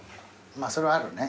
まあそれはあるね。